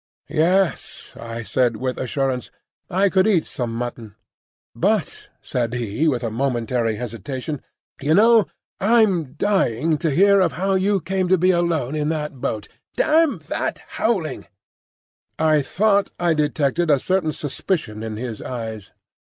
"Yes," I said with assurance; "I could eat some mutton." "But," said he with a momentary hesitation, "you know I'm dying to hear of how you came to be alone in that boat. Damn that howling!" I thought I detected a certain suspicion in his eyes.